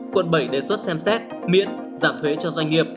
quận bảy đề xuất xem xét miễn giảm thuế cho doanh nghiệp